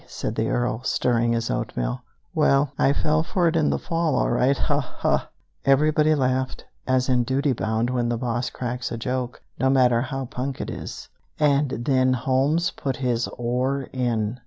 said the Earl, stirring his oatmeal. "Well, I fell for it in the fall all right haw! haw!" Everybody laughed, as in duty bound when the boss cracks a joke, no matter how punk it is; and then Holmes put his oar in.